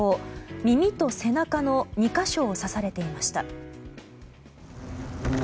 耳と背中の２か所を刺されていました。